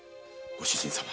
ご主人様。